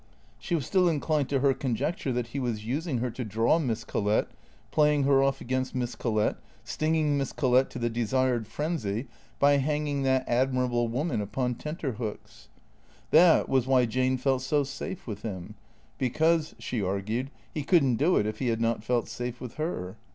She was still inclined to her conjecture that he was using her to draw Miss Collett, playing her off against Miss Collett, stinging Miss Collett to the desired frenzy by hanging that admirable woman upon tenter hooks. That was why Jane felt so safe with him ; because, she argued, he could n't do it if he had not felt safe with her.